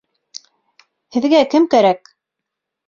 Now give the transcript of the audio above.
Һеҙгә кем кәрәк?